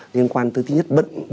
liên quan tới thứ nhất bất ngờ